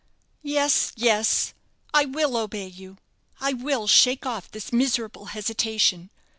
"Yes, yes; I will obey you I will shake off this miserable hesitation.